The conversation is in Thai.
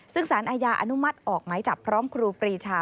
ซึ่งสารอาญาอนุมัติออกหมายจับพร้อมครูปรีชา